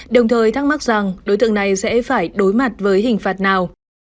đồng thời thắc mắc rằng đối tượng này sẽ phải đối mặt với hình phạt nào